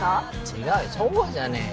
違うよそうじゃねえよ。